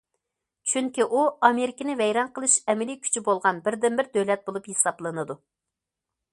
چۈنكى ئۇ ئامېرىكىنى ۋەيران قىلىش ئەمەلىي كۈچى بولغان بىردىنبىر دۆلەت بولۇپ ھېسابلىنىدۇ.